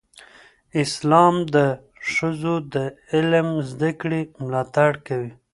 اسلام د ښځو د علم زده کړې ملاتړ کوي.